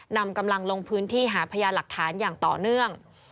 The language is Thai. นำกำลังลงพื้นที่หาพยานหลักฐานอย่างต่อเนื่อง